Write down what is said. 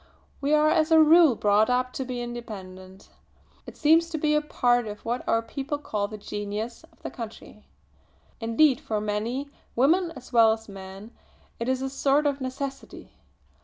We are as a rule brought up to be independent. It seems to be a part of what our people call the 'genius' of the country. Indeed for many, women as well as men, it is a sort of necessity.